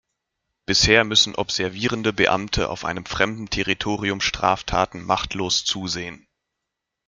Bisher müssen observierende Beamte auf einem fremden Territorium Straftaten machtlos zusehen.